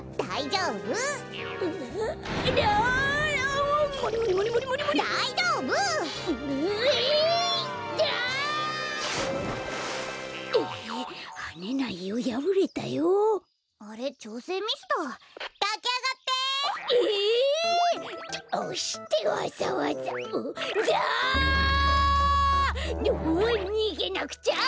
うおにげなくちゃ！